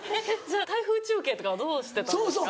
台風中継とかはどうしてたんですか？